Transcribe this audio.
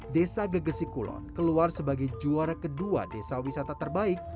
desa gegesi kulon keluar sebagai juara kedua desa wisata terbaik